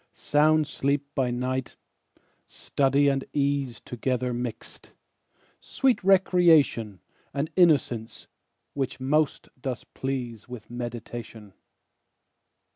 Sound sleep by night; study and ease Together mixed; sweet recreation, And innocence, which most does please With meditation.